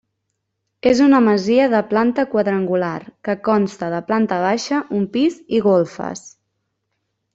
És una masia de planta quadrangular, que consta de planta baixa, un pis i golfes.